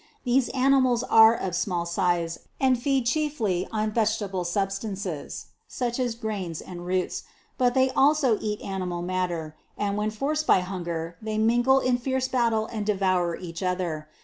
These animals are of small size, and feed chiefly on vegetable substances (such as grains and roots,) but they also eat animal matter, and when forced by hunger, they mingle in fierce battle and devour each other.